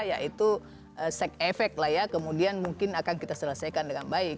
yaitu seks efek lah ya kemudian mungkin akan kita selesaikan dengan baik